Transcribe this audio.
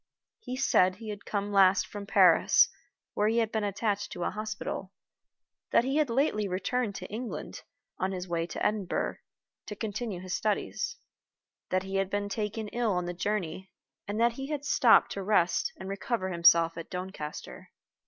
He said he had come last from Paris, where he had been attached to a hospital; that he had lately returned to England, on his way to Edinburgh, to continue his studies; that he had been taken ill on the journey; and that he had stopped to rest and recover himself at Doncaster.